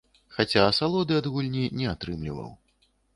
Хаця асалоды ад гульні не атрымліваў.